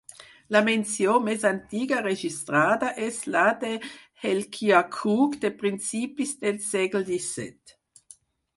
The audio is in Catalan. La menció més antiga registrada és la de Helkiah Crooke de principis del segle XVII.